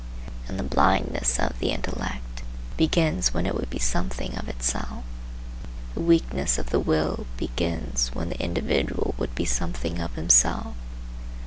And the blindness of the intellect begins when it would be something of itself. The weakness of the will begins when the individual would be something of himself.